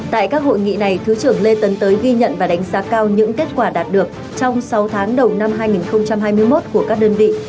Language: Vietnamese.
tại các hội nghị này thứ trưởng lê tấn tới ghi nhận và đánh giá cao những kết quả đạt được trong sáu tháng đầu năm hai nghìn hai mươi một của các đơn vị